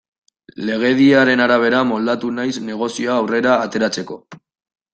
Legediaren arabera moldatu naiz negozioa aurrera ateratzeko.